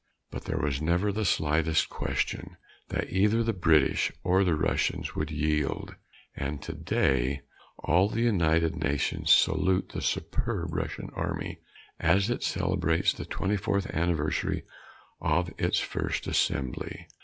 But there was never the slightest question that either the British or the Russians would yield. And today all the United Nations salute the superb Russian Army as it celebrates the twenty fourth anniversary of its first assembly.